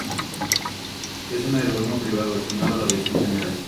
Es un aeródromo privado destinado a la aviación general.